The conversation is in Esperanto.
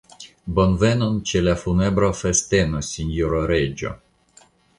Bonvenon ĉe la funebra festeno, sinjoro reĝo!